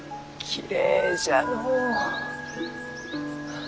きれいじゃのう。